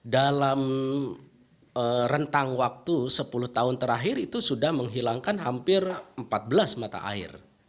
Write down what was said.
dalam rentang waktu sepuluh tahun terakhir itu sudah menghilangkan hampir empat belas mata air